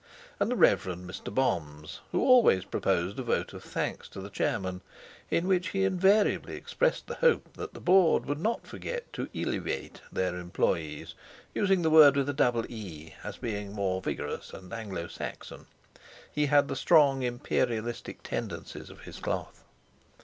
And the Rev. Mr. Boms, who always proposed a vote of thanks to the chairman, in which he invariably expressed the hope that the Board would not forget to elevate their employees, using the word with a double e, as being more vigorous and Anglo Saxon (he had the strong Imperialistic tendencies of his cloth).